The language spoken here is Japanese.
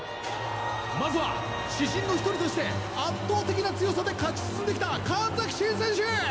まずは四神の一人として圧倒的な強さで勝ち進んできた神崎シン選手！